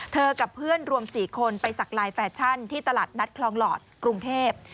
กับเพื่อนรวม๔คนไปสักลายแฟชั่นที่ตลาดนัดคลองหลอดกรุงเทพ